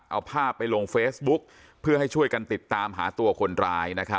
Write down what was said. เอาภาพไปลงเฟซบุ๊กเพื่อให้ช่วยกันติดตามหาตัวคนร้าย